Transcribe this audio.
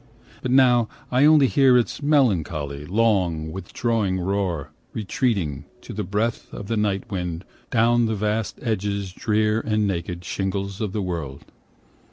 But now I only hear Its melancholy, long, withdrawing roar, 25 Retreating, to the breath Of the night wind, down the vast edges drear And naked shingles of the world.